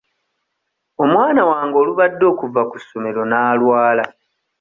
Omwana wange olubadde okuva ku ssomero n'alwala.